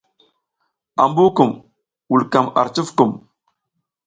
Ambu kum vulkam ar cufkum.